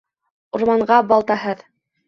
Урманға балтаһыҙ